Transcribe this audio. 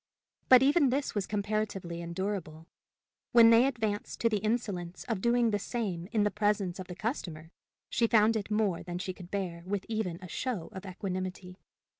But even this was comparatively endurable: when they advanced to the insolence of doing the same in the presence of the customer, she found it more than she could bear with even a show of equanimity.